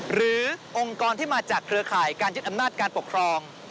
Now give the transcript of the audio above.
หรือองค์กรที่มาจากเครือข่ายการยึดอำนาจการปกครอง